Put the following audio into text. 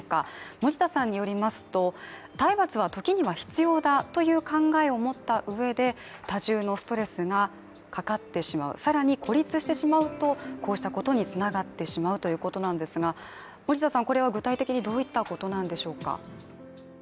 森田さんによりますと、体罰は時には必要だという考えを持ったうえで、多重のストレスがかかってしまう、更に孤立してしまうとこうしたことにつながってしまうということなんですが、森田さん、これは具体的にどういったことなんでしょうか？